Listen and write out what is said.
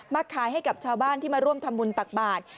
ขายให้กับชาวบ้านที่มาร่วมทำบุญตักบาท